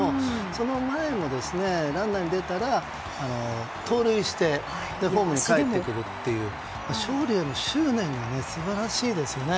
その前もランナーに出たら盗塁してホームにかえってくるという勝利への執念が素晴らしいですね。